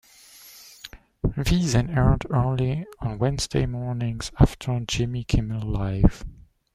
"V" then aired early Wednesday mornings after "Jimmy Kimmel Live!